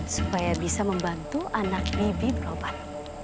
supaya bisa membantu anak bibi berobat